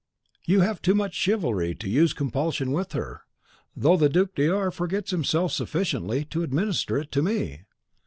You have too much chivalry to use compulsion with her, though the Duc de R forgets himself sufficiently to administer it to me.